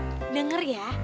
beb denger ya